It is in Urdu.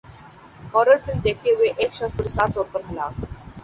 ہارر فلم دیکھتے ہوئے ایک شخص پراسرار طور پر ہلاک